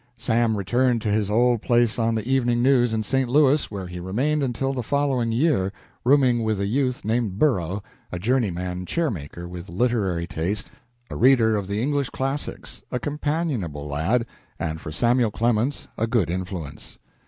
Sam returned to his old place on the "Evening News," in St. Louis, where he remained until the following year, rooming with a youth named Burrough, a journeyman chair maker with literary taste, a reader of the English classics, a companionable lad, and for Samuel Clemens a good influence.